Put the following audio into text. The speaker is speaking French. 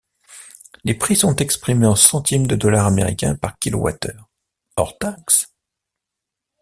Les prix sont exprimés en centimes de dollar américain par kilowatt-heure, hors taxe.